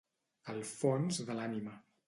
El fons de l'ànima.